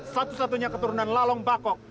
satu satunya keturunan lalong bakok